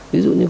ví dụ như qua